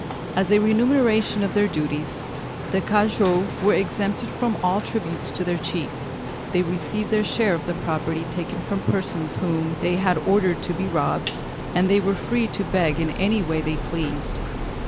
As a remuneration for their duties, the cagoux were exempt from all tribute to their chief; they received their share of the property taken from persons whom they had ordered to be robbed, and they were free to beg in any way they pleased.